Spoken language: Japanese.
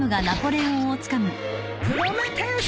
プロメテウス！